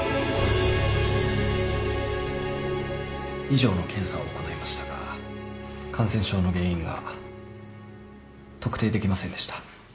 以上の検査を行いましたが感染症の原因が特定できませんでした。